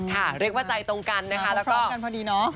เรียกว่าใจตรงกันนะคะแล้วก็กันพอดีเนาะ